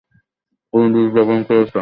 তুমি বীজ বপন করেছ?